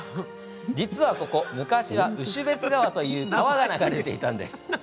実はここ、昔は牛朱別川という川が流れていたんです。